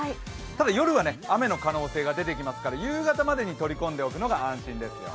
ただ夜は雨の可能性が出てきますから夕方までに取り込んでおくのが安心ですよ。